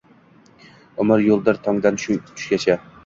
Umr yoʼldir, tongdan tushgacha.